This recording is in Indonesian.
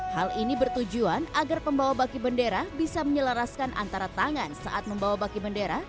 hal ini bertujuan agar pembawa baki bendera bisa menyelaraskan antara tangan saat membawa baki bendera